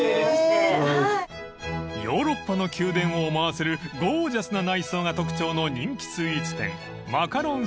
［ヨーロッパの宮殿を思わせるゴージャスな内装が特徴の人気スイーツ店］